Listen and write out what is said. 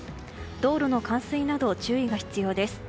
道路の冠水など注意が必要です。